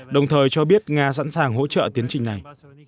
đồng thời cho biết nga sẵn sàng hỗ trợ tiến trình này